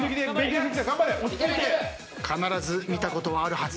必ず見たことはあるはず。